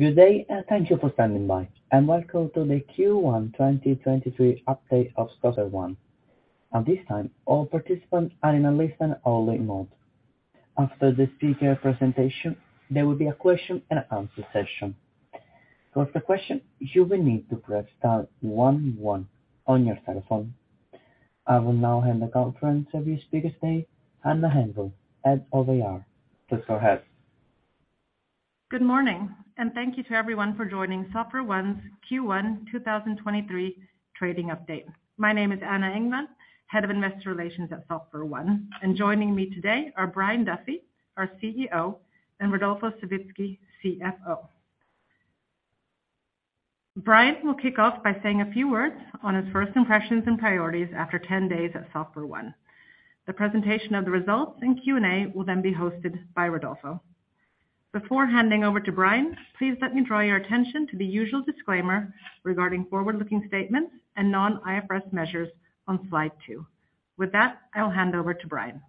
Good day, thank you for standing by, and welcome to the Q1 2023 update of SoftwareOne. At this time, all participants are in a listen-only mode. After the speaker presentation, there will be a question-and-answer session. To ask a question, you will need to press Star one one on your telephone. I will now hand the conference over to the speakers today, Anna Engvall, Head of IR. Please go ahead. Good morning, and thank you to everyone for joining SoftwareOne's Q1 2023 trading update. My name is Anna Engvall, Head of Investor Relations at SoftwareOne, and joining me today are Brian Duffy, our CEO, and Rodolfo Savitzky, CFO. Brian will kick off by saying a few words on his first impressions and priorities after 10 days at SoftwareOne. The presentation of the results and Q&A will then be hosted by Rodolfo. Before handing over to Brian, please let me draw your attention to the usual disclaimer regarding forward-looking statements and non-IFRS measures on Slide 2. With that, I'll hand over to Brian.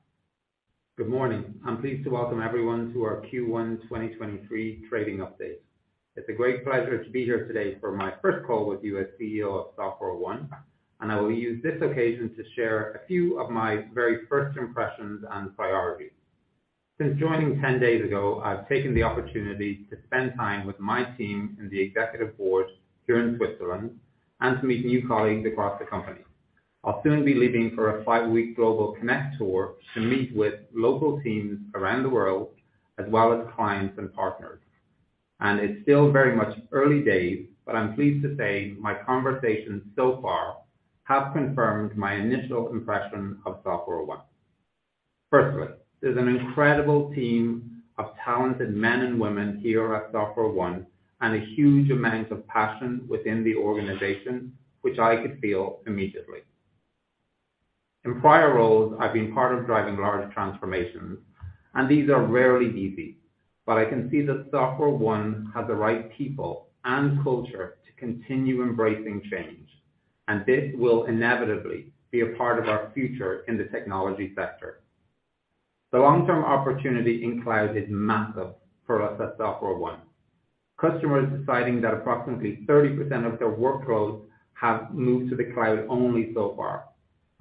Good morning. I'm pleased to welcome everyone to our Q1 2023 trading update. It's a great pleasure to be here today for my first call with you as CEO of SoftwareOne. I will use this occasion to share a few of my very first impressions and priorities. Since joining 10 days ago, I've taken the opportunity to spend time with my team and the executive board here in Switzerland and to meet new colleagues across the company. I'll soon be leaving for a five-week global connect tour to meet with local teams around the world, as well as clients and partners. It's still very much early days, but I'm pleased to say my conversations so far have confirmed my initial impression of SoftwareOne. Firstly, there's an incredible team of talented men and women here at SoftwareOne and a huge amount of passion within the organization, which I could feel immediately. In prior roles, I've been part of driving large transformations, and these are rarely easy, but I can see that SoftwareOne has the right people and culture to continue embracing change, and this will inevitably be a part of our future in the technology sector. The long-term opportunity in cloud is massive for us at SoftwareOne. Customers deciding that approximately 30% of their workloads have moved to the cloud only so far.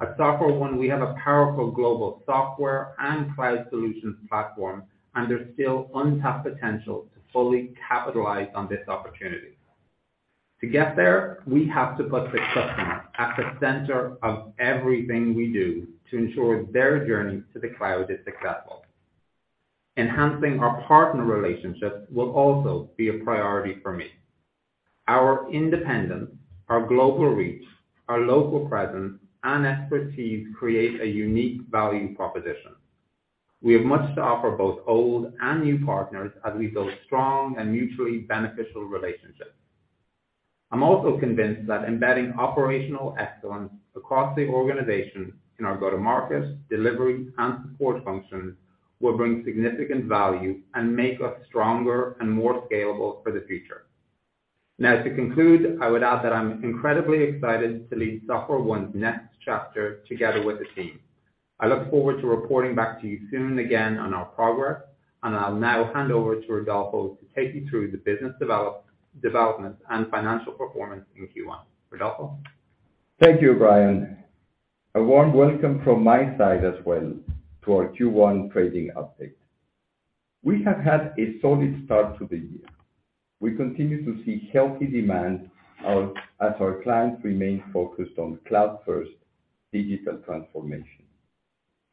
At SoftwareOne, we have a powerful global software and cloud solutions platform, and there's still untapped potential to fully capitalize on this opportunity. To get there, we have to put the customer at the center of everything we do to ensure their journey to the cloud is successful. Enhancing our partner relationships will also be a priority for me. Our independence, our global reach, our local presence and expertise create a unique value proposition. We have much to offer both old and new partners as we build strong and mutually beneficial relationships. I'm also convinced that embedding operational excellence across the organization in our go-to-market, delivery, and support functions will bring significant value and make us stronger and more scalable for the future. To conclude, I would add that I'm incredibly excited to lead SoftwareOne's next chapter together with the team. I look forward to reporting back to you soon again on our progress, and I'll now hand over to Rodolfo to take you through the business development and financial performance in Q1. Rodolfo? Thank you, Brian. A warm welcome from my side as well to our Q1 trading update. We have had a solid start to the year. We continue to see healthy demand as our clients remain focused on cloud-first digital transformation.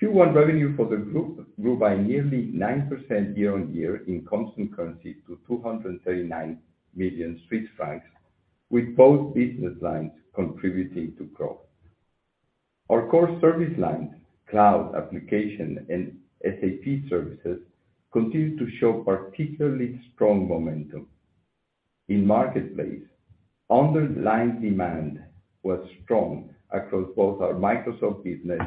Q1 revenue for the group grew by nearly 9% year-on-year in constant currency to 239 million Swiss francs, with both business lines contributing to growth. Our core service lines, cloud, application, and SAP services, continue to show particularly strong momentum. In Marketplace, underlying demand was strong across both our Microsoft business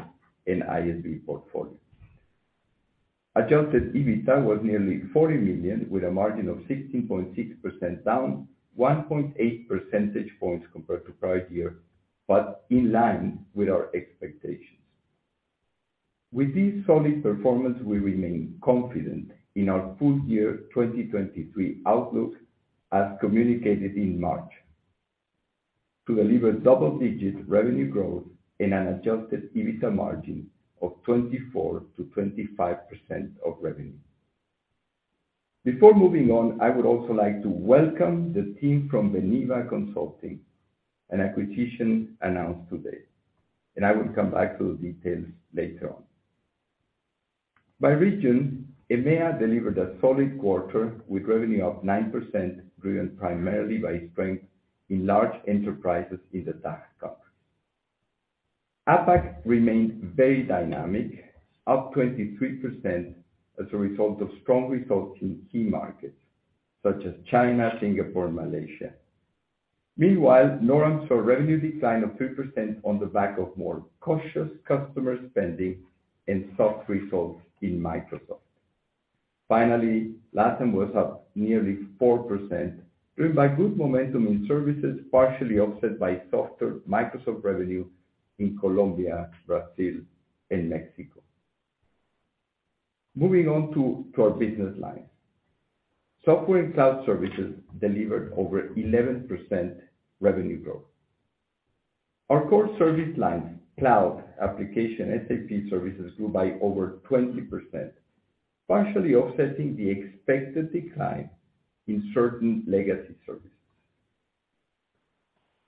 and ISV portfolio. Adjusted EBITDA was nearly 40 million, with a margin of 16.6%, down 1.8% points compared to prior year, in line with our expectations. With this solid performance, we remain confident in our full-year 2023 outlook as communicated in March to deliver double-digit revenue growth in an Adjusted EBITDA margin of 24%-25% of revenue. Before moving on, I would also like to welcome the team from Beniva Consulting, an acquisition announced today, and I will come back to the details later on. By region, EMEA delivered a solid quarter with revenue up 9%, driven primarily by strength in large enterprises in the DACH countries. APAC remained very dynamic, up 23% as a result of strong results in key markets such as China, Singapore, and Malaysia. Meanwhile, NORAM saw revenue decline of 3% on the back of more cautious customer spending and soft results in Microsoft. LATAM was up nearly 4%, driven by good momentum in services, partially offset by softer Microsoft revenue in Colombia, Brazil, and Mexico. Moving on to our business lines. Software and Cloud services delivered over 11% revenue growth. Our core service lines, Cloud, Application, SAP services, grew by over 20%, partially offsetting the expected decline in certain legacy services.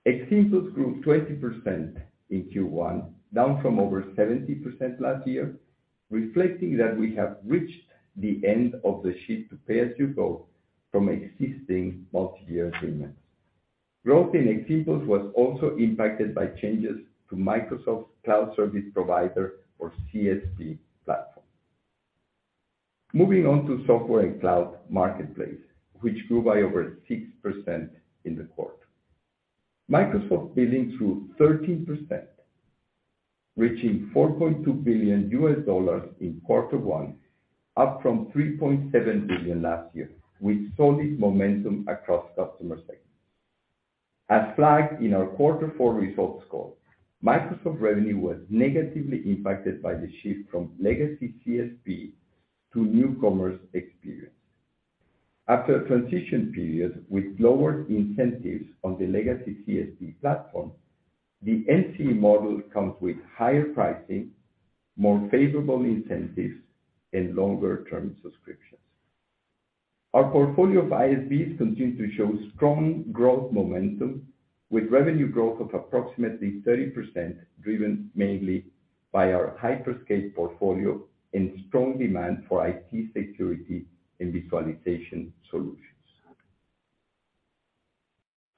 Ximus grew 20% in Q1, down from over 70% last year, reflecting that we have reached the end of the shift to pay-as-you-go from existing multi-year agreements. Growth in Ximus was also impacted by changes to Microsoft's cloud service provider or CSP platform. Moving on to software and cloud marketplace, which grew by over 6% in the quarter. Microsoft billing through 13%, reaching $4.2 billion in Q1, up from $3.7 billion last year, with solid momentum across customer segments. As flagged in our Q4 results call, Microsoft revenue was negatively impacted by the shift from legacy CSP to New Commerce Experience. After a transition period with lower incentives on the legacy CSP platform, the NC model comes with higher pricing, more favorable incentives, and longer-term subscriptions. Our portfolio of ISVs continue to show strong growth momentum, with revenue growth of approximately 30% driven mainly by our hyperscale portfolio and strong demand for IT security and virtualization solutions.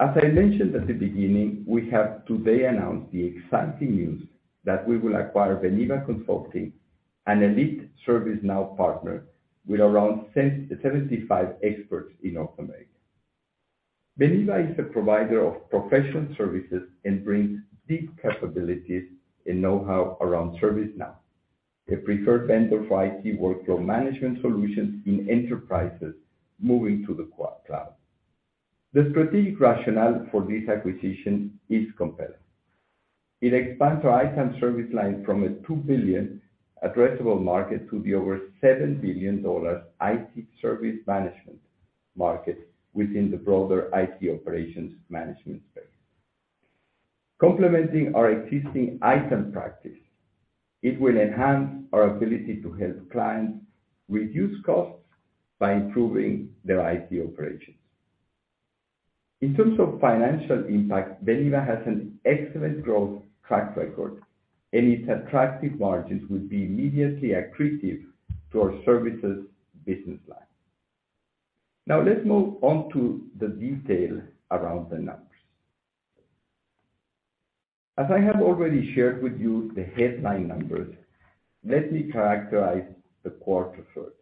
As I mentioned at the beginning, we have today announced the exciting news that we will acquire Beniva Consulting Group, an elite ServiceNow partner with around 75 experts in North America. Beniva is a provider of professional services and brings deep capabilities and know-how around ServiceNow, a preferred vendor for IT workflow management solutions in enterprises moving to the cloud. The strategic rationale for this acquisition is compelling. It expands our ITAM service line from a $2 billion addressable market to be over $7 billion IT service management market within the broader IT operations management space. Complementing our existing ITAM practice, it will enhance our ability to help clients reduce costs by improving their IT operations. In terms of financial impact, Beniva has an excellent growth track record, and its attractive margins will be immediately accretive to our Services business line. Let's move on to the detail around the numbers. As I have already shared with you the headline numbers, let me characterize the quarter first.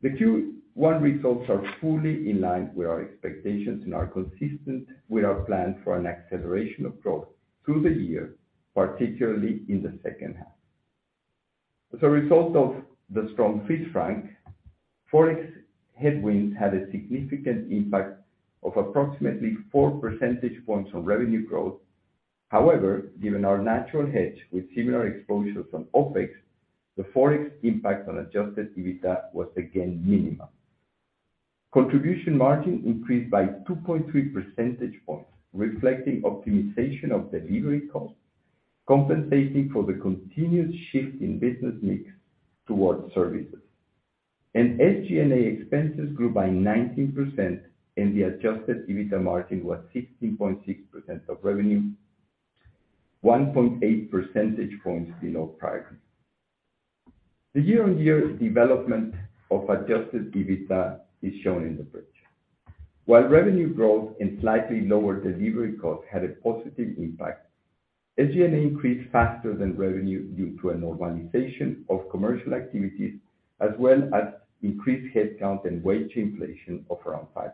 The Q1 results are fully in line with our expectations and are consistent with our plan for an acceleration of growth through the year, particularly in the second half. As a result of the strong Swiss franc, forex headwinds had a significant impact of approximately 4% points on revenue growth. Given our natural hedge with similar exposures on OpEx, the forex impact on Adjusted EBITDA was again minimal. Contribution margin increased by 2.3% points, reflecting optimization of delivery costs, compensating for the continued shift in business mix towards Services. SG&A expenses grew by 19%, and the adjusted EBITDA margin was 16.6% of revenue, 1.8% points below prior. The year-on-year development of adjusted EBITDA is shown in the bridge. Revenue growth and slightly lower delivery costs had a positive impact, SG&A increased faster than revenue due to a normalization of commercial activities, as well as increased headcount and wage inflation of around 5%.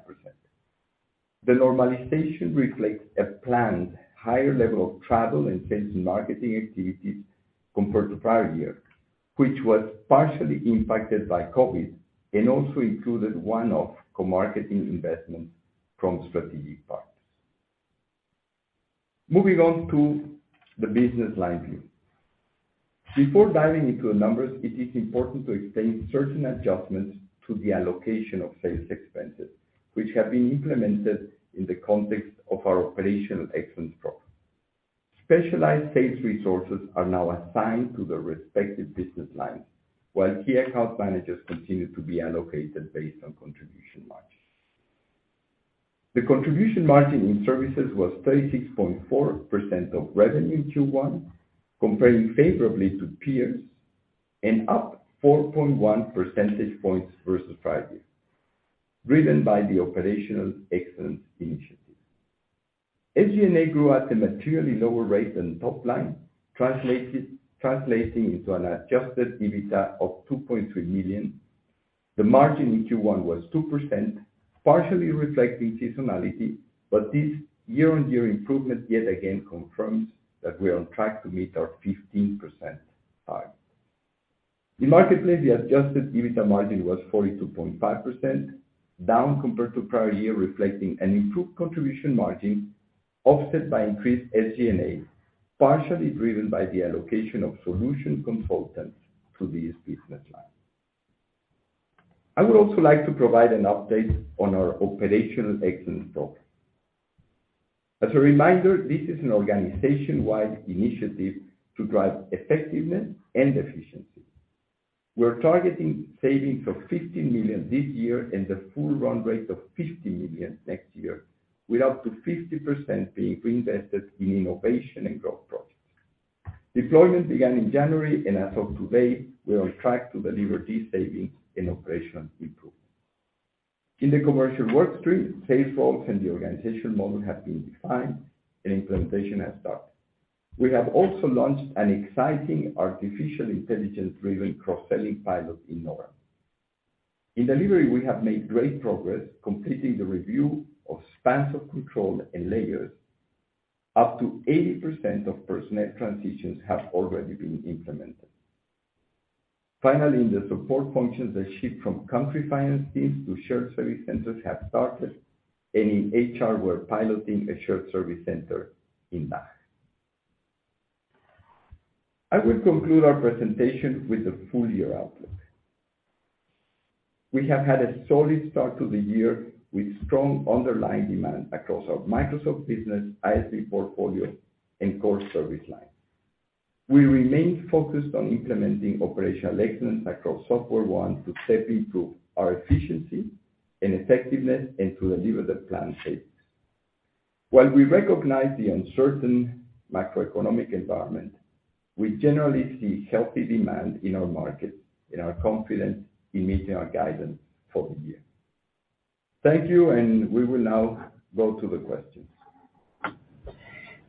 The normalization reflects a planned higher level of travel and sales and marketing activities compared to prior year, which was partially impacted by COVID and also included one-off co-marketing investments from strategic partners. Moving on to the Business Line View. Before diving into the numbers, it is important to explain certain adjustments to the allocation of sales expenses, which have been implemented in the context of our operational excellence program. Specialized sales resources are now assigned to the respective Business Lines, while key account managers continue to be allocated based on contribution margin. The contribution margin in services was 36.4% of revenue in Q1, comparing favorably to peers and up 4.1% points versus prior year, driven by the operational excellence initiative. SG&A grew at a materially lower rate than top line, translating into an adjusted EBITDA of 2.3 million. The margin in Q1 was 2%, partially reflecting seasonality, this year-on-year improvement yet again confirms that we are on track to meet our 15% target. In marketplace, the adjusted EBITDA margin was 42.5%, down compared to prior year, reflecting an improved contribution margin, offset by increased SG&A, partially driven by the allocation of solution consultants to these business lines. I would also like to provide an update on our operational excellence program. As a reminder, this is an organization-wide initiative to drive effectiveness and efficiency. We're targeting savings of 50 million this year and a full run rate of 50 million next year, with up to 50% being reinvested in innovation and growth projects. Deployment began in January. As of to date, we are on track to deliver these savings in operational improvement. In the commercial workstream, sales roles and the organization model have been defined and implementation has started. We have also launched an exciting artificial intelligence-driven cross-selling pilot in November. In delivery, we have made great progress completing the review of spans of control and layers. Up to 80% of personnel transitions have already been implemented. Finally, in the support functions, the shift from country finance teams to shared service centers have started, and in HR, we're piloting a shared service center in March. I will conclude our presentation with the full-year outlook. We have had a solid start to the year with strong underlying demand across our Microsoft business, ISV portfolio, and core service lines. We remain focused on implementing operational excellence across SoftwareOne to step into our efficiency and effectiveness and to deliver the planned savings. While we recognize the uncertain macroeconomic environment, we generally see healthy demand in our market and are confident in meeting our guidance for the year. Thank you. We will now go to the questions.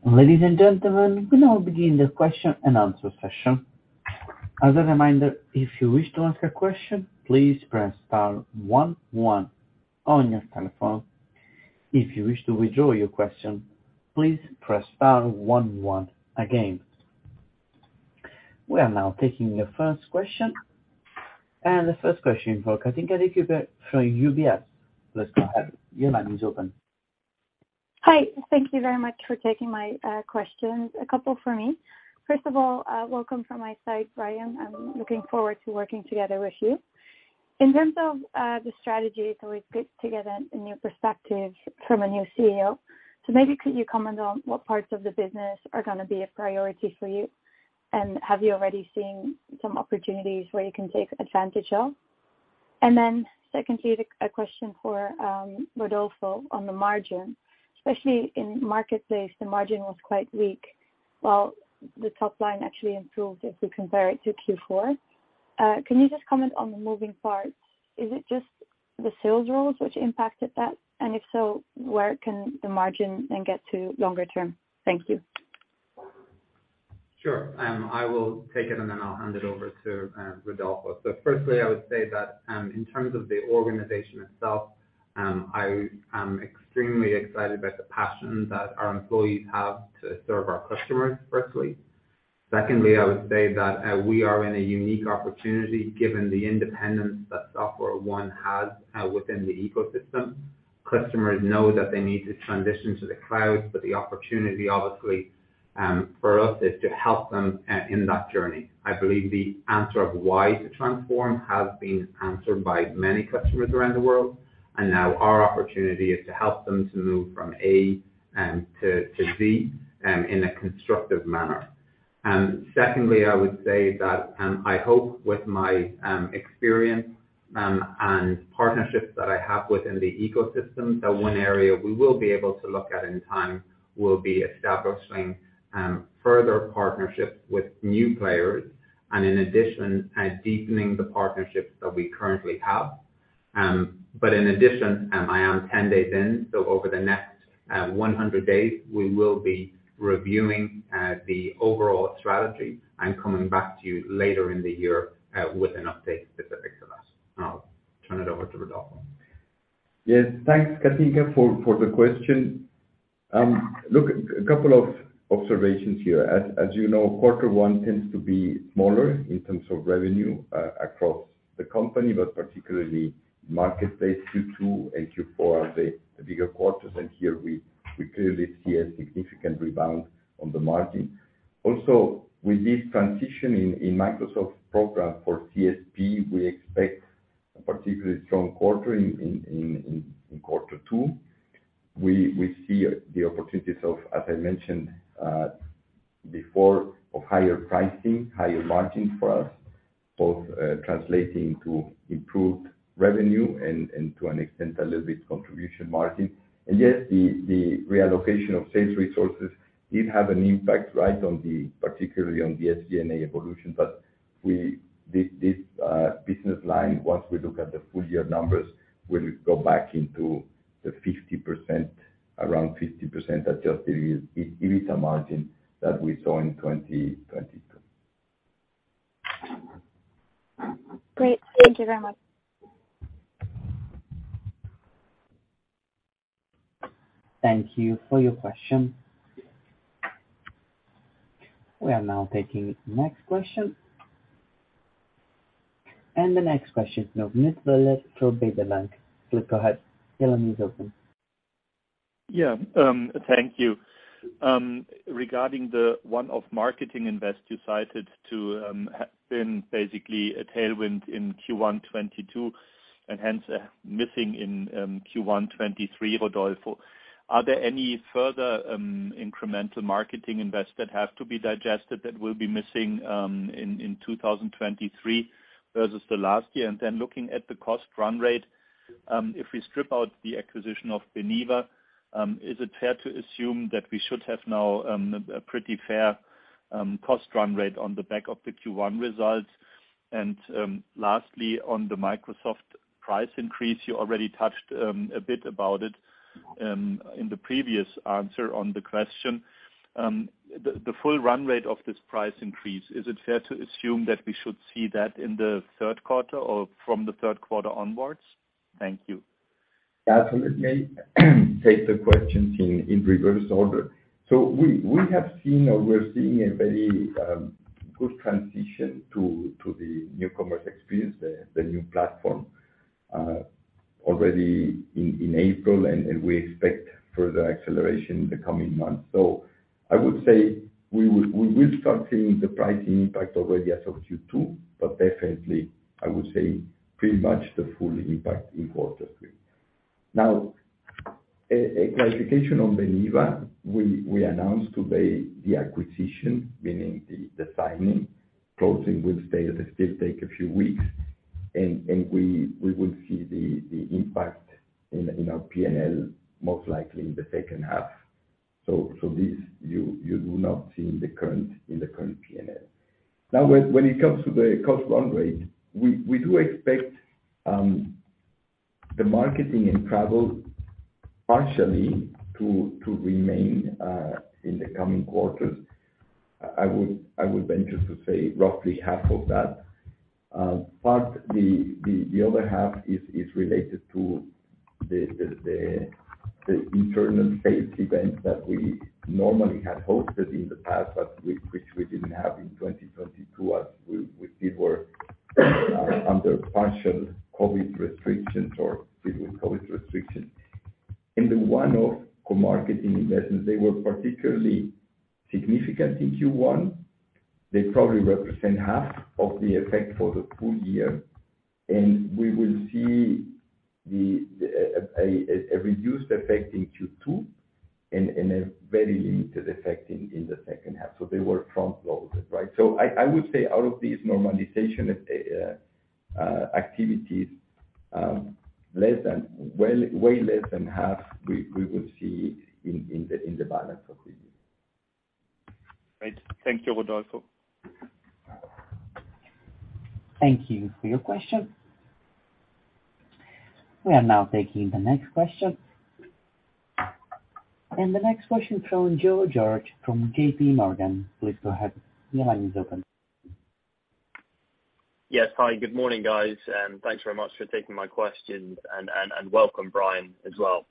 Ladies and gentlemen, we now begin the question-and-answer session. As a reminder, if you wish to ask a question, please press Star one one on your telephone. If you wish to withdraw your question, please press Star one one again. We are now taking the first question. The first question from Katinka De Keukeleire from UBS. Please go ahead. Your line is open. Hi. Thank you very much for taking my questions. A couple for me. First of all, welcome from my side, Brian. I'm looking forward to working together with you. In terms of the strategy, it's always good to get a new perspective from a new CEO. Maybe could you comment on what parts of the business are gonna be a priority for you? Have you already seen some opportunities where you can take advantage of? Secondly, a question for Rodolfo on the margin. Especially in Marketplace, the margin was quite weak, while the top line actually improved if we compare it to Q4. Can you just comment on the moving parts? Is it just the sales rules which impacted that? If so, where can the margin then get to longer-term? Thank you. Sure. I will take it, and then I'll hand it over to Rodolfo. Firstly, I would say that, in terms of the organization itself, I am extremely excited about the passion that our employees have to serve our customers, firstly. Secondly, I would say that, we are in a unique opportunity given the independence that SoftwareOne has within the ecosystem. Customers know that they need to transition to the cloud, but the opportunity, obviously, for us is to help them in that journey. I believe the answer of why to transform has been answered by many customers around the world, and now our opportunity is to help them to move from A to Z in a constructive manner. Secondly, I would say that I hope with my experience and partnerships that I have within the ecosystem, that one area we will be able to look at in time will be establishing further partnerships with new players and in addition, deepening the partnerships that we currently have. In addition, I am 10 days in, so over the next 100 days we will be reviewing the overall strategy and coming back to you later in the year with an update specific to that. I'll turn it over to Rodolfo. Yes. Thanks, Katinka, for the question. Look, a couple of observations here. As you know, quarter one tends to be smaller in terms of revenue across the company, but particularly Marketplace. Q2 and Q4 are the bigger quarters. Here we clearly see a significant rebound on the margin. Also, with this transition in Microsoft program for CSP, we expect a particularly strong quarter in quarter two. We see the opportunities of, as I mentioned, before, of higher pricing, higher margins for us, both translating to improved revenue and to an extent, a little bit contribution margin. Yes, the reallocation of sales resources did have an impact, right, on the, particularly on the SG&A evolution. This business line, once we look at the full year numbers, will go back into the 50% Adjusted EBITDA margin that we saw in 2022. Great. Thank you very much. Thank you for your question. We are now taking next question. The next question from Please go ahead. Your line is open. Yeah, thank you. Regarding the one-off marketing invest you cited to have been basically a tailwind in Q1 2022, and hence missing in Q1 2023, Rodolfo. Are there any further incremental marketing invest that have to be digested that will be missing in 2023 versus the last year? Then looking at the cost run rate, if we strip out the acquisition of Beniva, is it fair to assume that we should have now a pretty fair cost run rate on the back of the Q1 results? Lastly, on the Microsoft price increase, you already touched a bit about it in the previous answer on the question. The full run rate of this price increase, is it fair to assume that we should see that in the third quarter or from the third quarter onwards? Thank you. Absolutely. Take the questions in reverse order. We have seen or we're seeing a very good transition to the New Commerce Experience, the new platform, already in April, and we expect further acceleration in the coming months. I would say we will start seeing the pricing impact already as of Q2, but definitely I would say pretty much the full impact in quarter three. A clarification on Beniva. We announced today the acquisition, meaning the signing. Closing will still take a few weeks. We will see the impact in our P&L most likely in the second half. This you do not see in the current P&L. When it comes to the cost run rate, we do expect the marketing and travel partially to remain in the coming quarters. I would venture to say roughly half of that. The other half is related to the internal face events that we normally had hosted in the past, but which we didn't have in 2022 as we still were under partial COVID restrictions or with COVID restrictions. In the one-off co-marketing investments, they were particularly significant in Q1. They probably represent half of the effect for the full-year, we will see a reduced effect in Q2 and a very limited effect in the second half. They were front loaded, right? I would say out of these normalization activities, Well, way less than half, we will see in the balance of the year. Great. Thank you, Rodolfo. Thank you for your question. We are now taking the next question. The next question from Joe George from JP Morgan. Please go ahead. Your line is open. Yes. Hi, good morning, guys, and thanks very much for taking my questions and welcome Brian as well.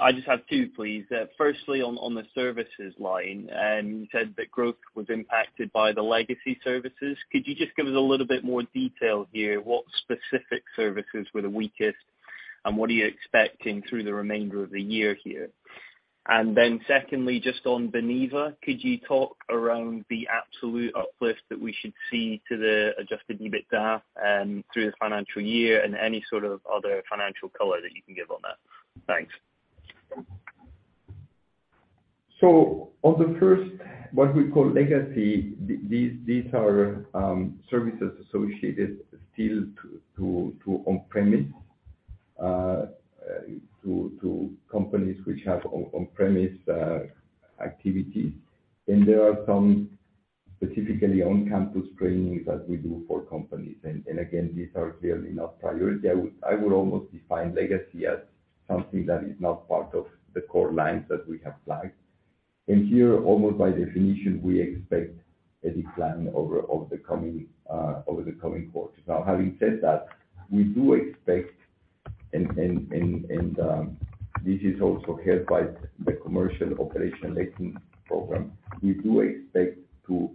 I just have two, please. Firstly, on the Services line, you said that growth was impacted by the legacy services. Could you just give us a little bit more detail here? What specific services were the weakest, and what are you expecting through the remainder of the year here? Secondly, just on Beniva, could you talk around the absolute uplift that we should see to the adjusted EBITDA through the financial year and any sort of other financial color that you can give on that? Thanks. On the first, what we call legacy, these are services associated still to on-premise, to companies which have on-premise activities. There are some specifically on-campus training that we do for companies. Again, these are clearly not priority. I would almost define legacy as something that is not part of the core lines that we have flagged. Here, almost by definition, we expect a decline over the coming quarters. Having said that, we do expect and this is also helped by the commercial operation-leading program. We do expect to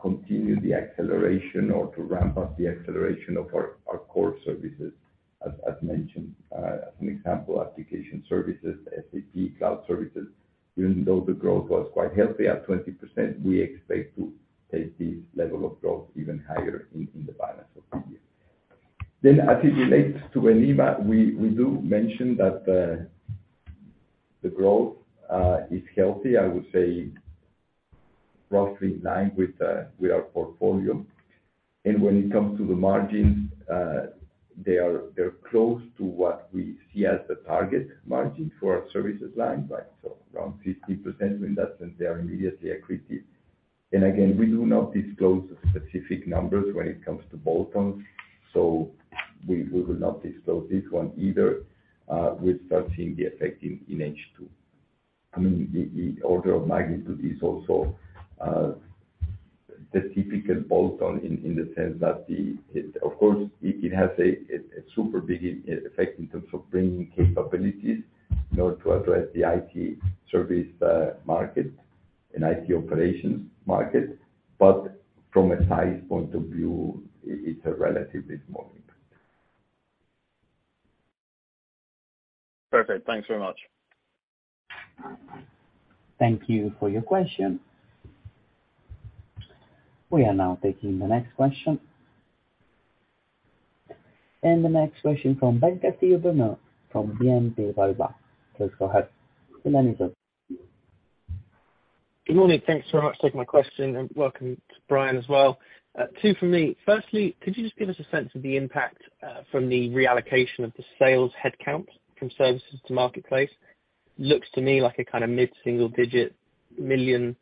continue the acceleration or to ramp up the acceleration of our core services as mentioned. As an example, application services, SAP Cloud services. Even though the growth was quite healthy at 20%, we expect to take this level of growth even higher in the balance of the year. As it relates to Beniva, we do mention that the growth is healthy. I would say roughly in line with our portfolio. When it comes to the margins, they're close to what we see as the target margin for our Services line, right? Around 50%. In that sense, they are immediately accretive. Again, we do not disclose specific numbers when it comes to bolt-on, so we will not disclose this one either. We'll start seeing the effect in H2. I mean, the order of magnitude is also the typical Bolt On in the sense that the... It of course, it has a super big effect in terms of bringing capabilities in order to address the IT Service market and IT Operations market. From a size point of view, it's a relatively small impact. Perfect. Thanks very much. Thank you for your question. We are now taking the next question. The next question from Ben Castillo-Bernaus from BNP Paribas. Please go ahead. The line is open. Good morning. Thanks so much for taking my question. Welcome to Brian as well. Two from me. Firstly, could you just give us a sense of the impact from the reallocation of the sales headcount from services to marketplace? Looks to me like a kinda mid-single-digit million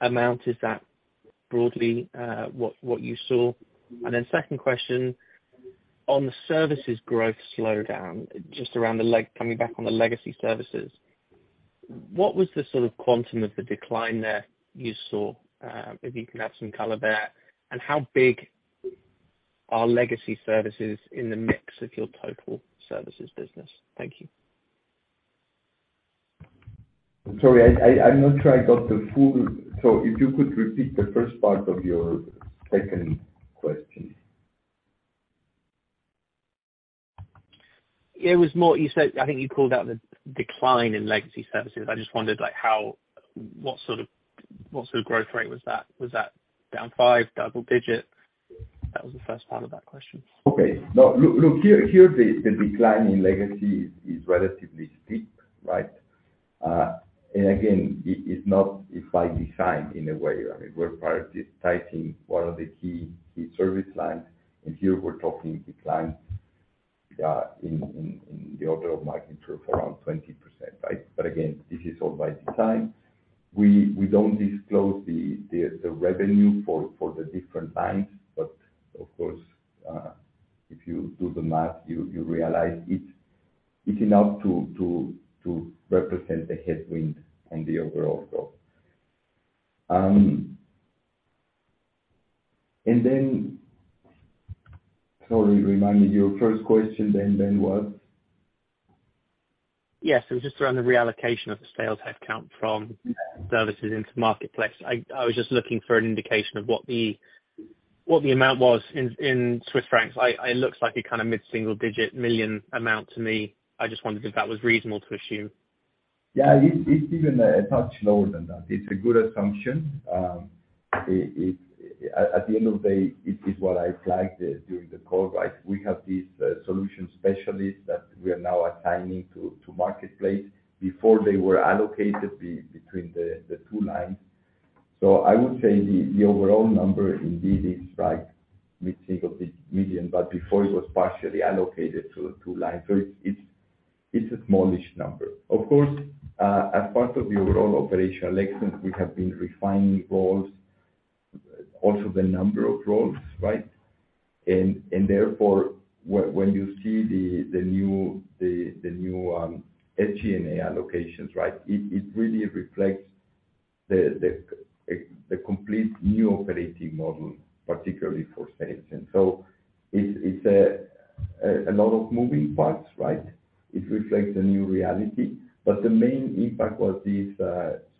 amount. Is that broadly what you saw? Second question, on the services growth slowdown, just coming back on the legacy services, what was the sort of quantum of the decline there you saw? If you can add some color there. How big are legacy services in the mix of your total Services business? Thank you. Sorry, I'm not sure I got the full... If you could repeat the first part of your second question. It was more. I think you called out the decline in legacy services. I just wondered, like, what sort of growth rate was that? Was that down five, double digit? That was the first part of that question. Okay. No. Look, here the decline in legacy is relatively steep, right? Again, it's by design in a way. I mean, we're prioritizing one of the key service lines, here we're talking decline in the order of magnitude for around 20%, right? Again, this is all by design. We don't disclose the revenue for the different banks. Of course, if you do the math, you realize it's enough to represent the headwind on the overall growth. Sorry, remind me. Your first question then was? Yes. It was just around the reallocation of the sales headcount from services into marketplace. I was just looking for an indication of what the amount was in Swiss francs. It looks like a kinda CHF mid-single-digit million amount to me. I just wondered if that was reasonable to assume. Yeah. It's even a touch lower than that. It's a good assumption. At the end of the day, it is what I flagged during the call, right? We have these solution specialists that we are now assigning to marketplace. Before they were allocated between the two lines. I would say the overall number indeed is right, CHF mid-single-digit million, but before it was partially allocated to the two lines. It's a small-ish number. Of course, as part of the overall operational excellence, we have been refining roles, also the number of roles, right? Therefore, when you see the new data & AI allocations, right, it really reflects the complete new operating model, particularly for sales. It's a lot of moving parts, right? It reflects the new reality. The main impact was these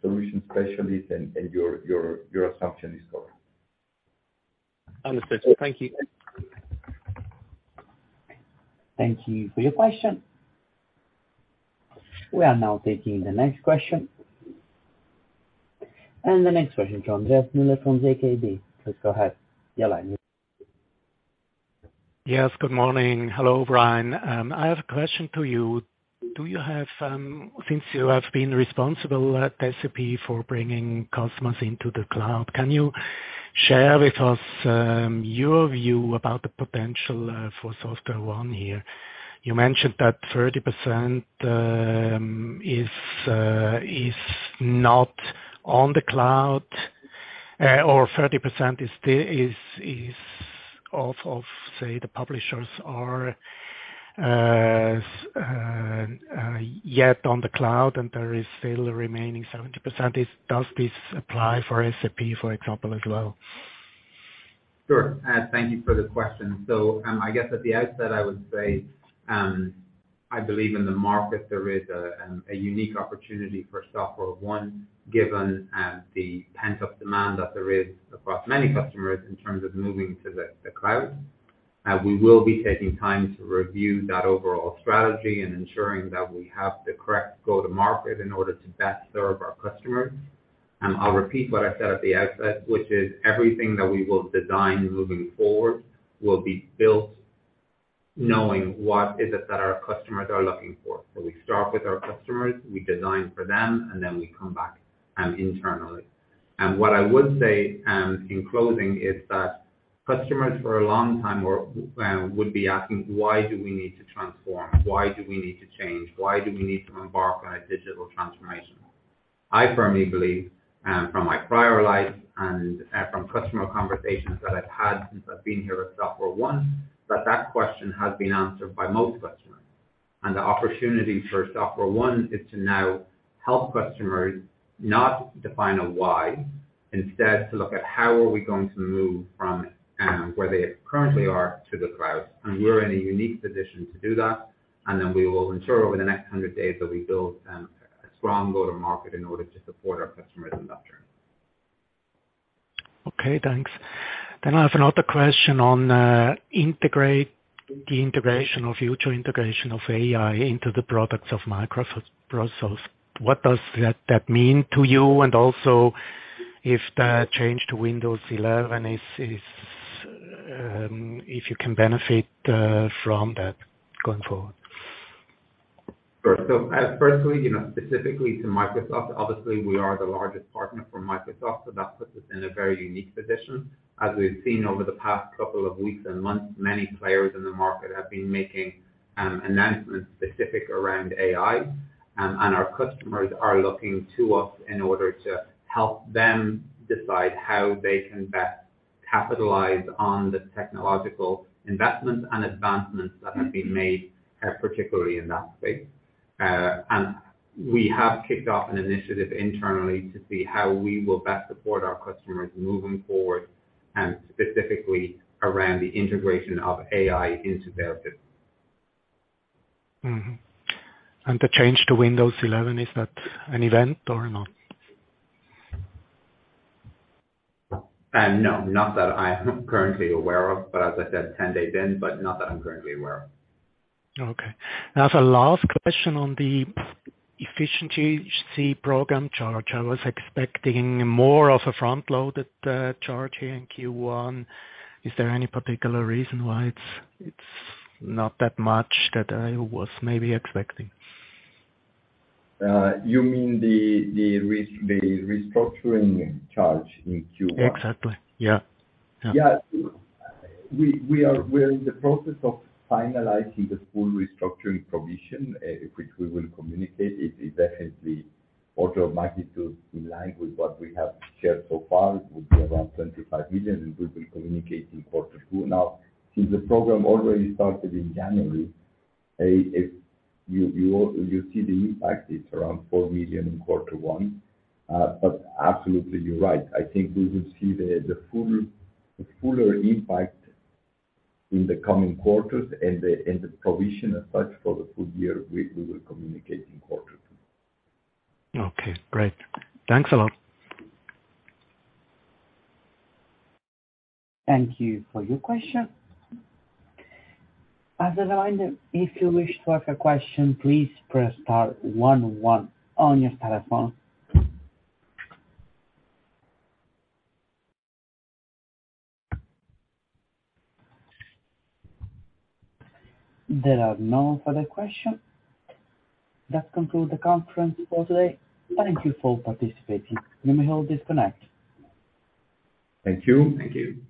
solution specialists and your assumption is correct. Understood. Thank you. Thank you for your question. We are now taking the next question. The next question from Andreas Müller from ZKB. Please go ahead. Your line is open. Yes. Good morning. Hello, Brian. I have a question to you. Since you have been responsible at SAP for bringing customers into the cloud, can you share with us, your view about the potential for SoftwareOne here? You mentioned that 30% is not on the cloud, or 30% is of, say, the publishers are yet on the Cloud, and there is still a remaining 70%. Does this apply for SAP, for example, as well? Sure. Thank you for the question. I guess at the outset I would say, I believe in the market there is a unique opportunity for SoftwareOne, given the pent-up demand that there is across many customers in terms of moving to the Cloud. We will be taking time to review that overall strategy and ensuring that we have the correct go-to-market in order to best serve our customers. I'll repeat what I said at the outset, which is everything that we will design moving forward will be built knowing what is it that our customers are looking for. We start with our customers, we design for them, and then we come back, internally. What I would say, in closing is that customers for a long time were asking, Why do we need to transform? Why do we need to change? Why do we need to embark on a digital transformation? I firmly believe, from my prior life and, from customer conversations that I've had since I've been here at SoftwareOne, that that question has been answered by most customers. The opportunity for SoftwareOne is to now help customers not define a why, instead to look at how are we going to move from, where they currently are to the cloud. We're in a unique position to do that, and then we will ensure over the next 100 days that we build a strong go-to-market in order to support our customers in that journey. Okay, thanks. I have another question on the integration of future integration of AI into the products of Microsoft. What does that mean to you? Also, if that change to Windows 11, if you can benefit from that going forward? Sure. Personally, you know, specifically to Microsoft, obviously we are the largest partner for Microsoft, so that puts us in a very unique position. As we've seen over the past couple of weeks and months, many players in the market have been making announcements specific around AI, and our customers are looking to us in order to help them decide how they can best capitalize on the technological investments and advancements that have been made particularly in that space. We have kicked off an initiative internally to see how we will best support our customers moving forward and specifically around the integration of AI into their business. Mm-hmm. The change to Windows 11, is that an event or not? No, not that I'm currently aware of. As I said, 10 days in, but not that I'm currently aware of. As a last question on the efficiency program charge, I was expecting more of a front-loaded charge here in Q1. Is there any particular reason why it's not that much that I was maybe expecting? You mean the restructuring charge in Q1? Exactly. Yeah. Yeah. Yeah. We are in the process of finalizing the full restructuring provision, which we will communicate. It's definitely order of magnitude in line with what we have shared so far, would be around 25 million, and we will communicate in quarter two. Since the program already started in January, if you see the impact, it's around 4 million in quarter one. Absolutely, you're right. I think we will see the fuller impact in the coming quarters and the provision as such for the full-year, we will communicate in quarter two. Okay. Great. Thanks a lot. Thank you for your question. As a reminder, if you wish to ask a question, please press Star one one on your telephone. There are no further questions. That concludes the conference for today. Thank you for participating. You may all disconnect. Thank you. Thank you.